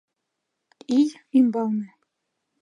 Ий ӱмбалне...